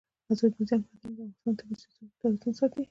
اوبزین معدنونه د افغانستان د طبعي سیسټم توازن ساتي.